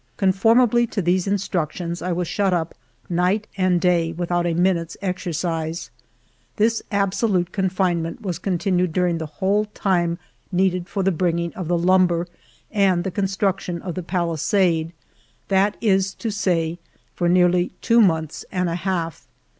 Conformably to these instructions, I was shut up night and day without a minute*s exercise. This absolute confinement was continued during the whole time needed for the bringing of the lum ber and the construction of the palisade ; that is to say, for nearly two months and a half.